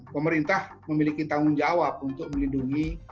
pemerintah memiliki tanggung jawab untuk melindungi